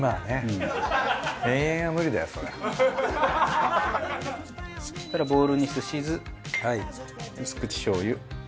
そしたらボウルにすし酢薄口しょうゆ